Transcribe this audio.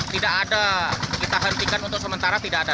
tidak ada kita hentikan untuk sementara tidak ada